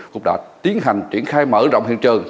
cũng đã tiến hành triển khai mở rộng hiện trường